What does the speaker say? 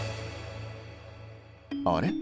あれ？